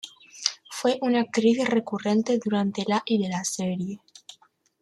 Fue una actriz recurrente durante la y de la serie.